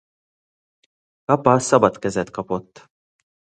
Capa szabad kezet kapott.